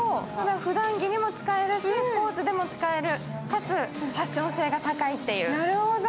普段着にも使えるし、スポ−ツにも使える、かつファッション性が高いという。